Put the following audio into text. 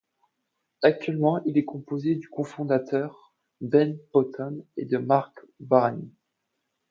Actuellement, il est composé du cofondateur Ben Ponton et de Mark Warren.